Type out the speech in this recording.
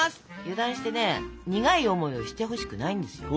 油断してね苦い思いをしてほしくないんですよ。